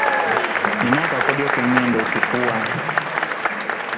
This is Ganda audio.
Nnina akakodyo ke ŋŋenda okukuwa.